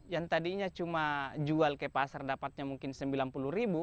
yang tadinya cuma jual ke pasar dapatnya mungkin sembilan puluh ribu